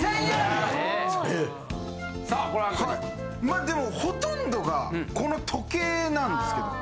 まあでもほとんどがこの時計なんですけど。